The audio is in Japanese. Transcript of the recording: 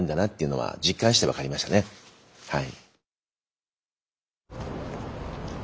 はい。